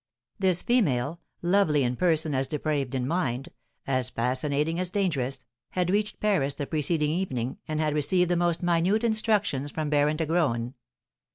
This female, lovely in person as depraved in mind, as fascinating as dangerous, had reached Paris the preceding evening, and had received the most minute instructions from Baron de Graün.